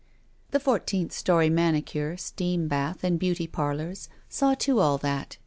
The fourteenth story manicure, steam bath, and beauty parlors saw to all that.